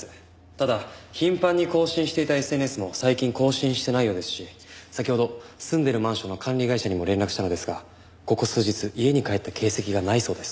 ただ頻繁に更新していたＳＮＳも最近更新してないようですし先ほど住んでるマンションの管理会社にも連絡したのですがここ数日家に帰った形跡がないそうです。